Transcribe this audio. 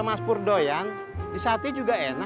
maju starred di mana bukan ini